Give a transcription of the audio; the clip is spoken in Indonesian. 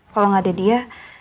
kalo gak ada dia